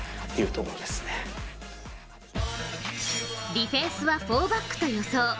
ディフェンスはフォーバックと予想。